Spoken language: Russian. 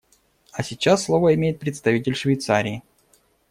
А сейчас слово имеет представитель Швейцарии.